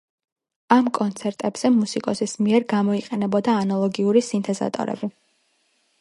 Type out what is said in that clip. ამ კონცერტებზე მუსიკოსის მიერ გამოიყენებოდა ანალოგური სინთეზატორები.